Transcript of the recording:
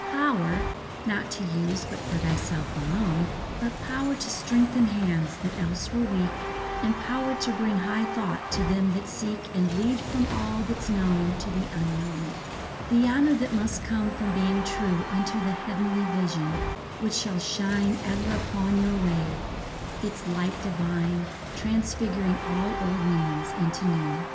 m. Power, — not to use but for thyself alone, But power to strengthen hands that else were weak, And power to bring high thought to them that seek, And lead from all that 's known to the Unknown. 28 A BIRTHDAY WISH. IV. The honor that must come from being true Unto the Heavenly Vision, — which shall shine Ever upon your way, — its light divine Transfiguring all old meanings into new. V.